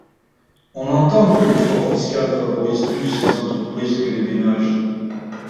On entend que l’effort fiscal favorise plus les entreprises que les ménages.